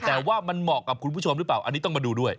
แต่ว่ามันเหมาะกับคุณผู้ชมหรือเปล่าอันนี้ต้องมาดูด้วย